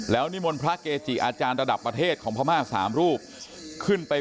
แล้วนิมนต์พระเกจิอาจารย์ระดับประเทศของพม่า๓รูปขึ้นไป